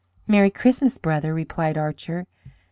"Merry Christmas, brother!" replied Archer.